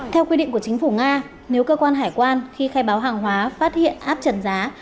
theo quy định của chính phủ nga nếu cơ quan hải quan khi khai báo hàng hóa phát hiện áp trần giá